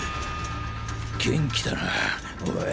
元気だなおい。